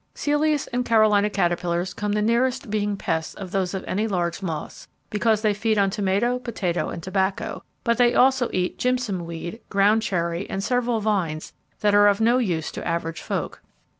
Celeus and Carolina caterpillars come the nearest being pests of those of any large moths, because they feed on tomato, potato, and tobacco, but they also eat jimson weed, ground cherry, and several vines that are of no use to average folk.